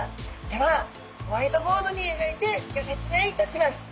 ではホワイトボードにえがいてギョ説明いたします！